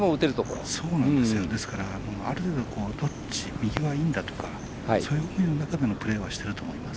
ですから、ある意味右はいいんだとかそういう中でのプレーをしていると思います。